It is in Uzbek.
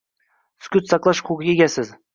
«Sukut saqlash huquqiga egasiz»